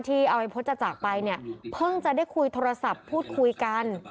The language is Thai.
อวัยพฤษจะจากไปเนี่ยเพิ่งจะได้คุยโทรศัพท์พูดคุยกัน